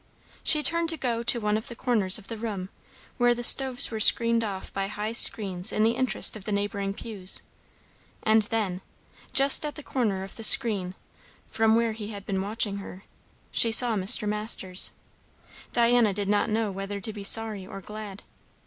She turned to go to one of the corners of the room, where the stoves were screened off by high screens in the interest of the neighbouring pews; and then, just at the corner of the screen, from where he had been watching her, she saw Mr. Masters. Diana did not know whether to be sorry or glad.